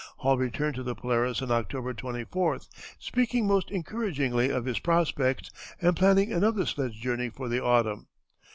] Hall returned to the Polaris on October 24th, speaking most encouragingly of his prospects and planning another sledge journey for the autumn.